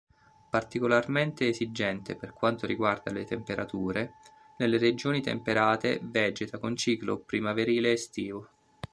Particolarmente esigente per quanto riguarda le temperature, nelle regioni temperate vegeta con ciclo primaverile-estivo.